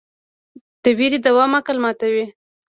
د ویرې دوام عقل ماتوي.